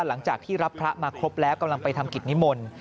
หลังจากที่รับพระมาครบแล้วกำลังไปทำกิจนิมนต์